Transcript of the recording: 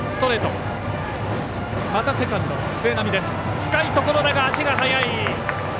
深いところだが足が速い。